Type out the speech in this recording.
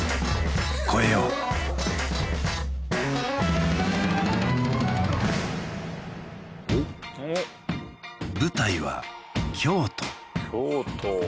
越えよう舞台は京都京都